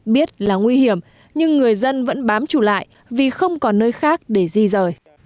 biết là nguy hiểm nhưng người dân vẫn bám chủ lại vì không có nơi khác để di rời